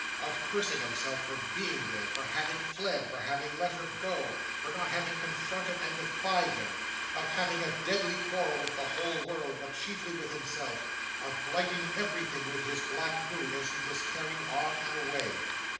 Of cursing himself for being there, for having fled, for having let her go, for not having confronted and defied him. Of having a deadly quarrel with the whole world, but chiefly with himself. Of blighting everything with his black mood as he was carried on and away.